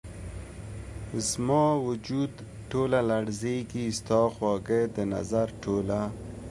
زما وجود ټوله لرزیږې ،ستا خواږه ، دنظر ټوله